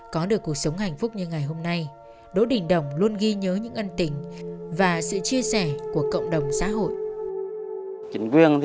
có được cuộc sống hạnh phúc như ngày hôm nay đỗ đình đồng luôn ghi nhớ những ân tình và sự chia sẻ của cộng đồng xã hội